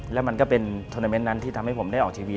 แล้วมันก็เป็นโทรนาเมนต์นั้นที่ทำให้ผมได้ออกทีวี